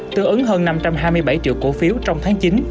tương ứng hơn năm trăm hai mươi bảy triệu cổ phiếu trong tháng chín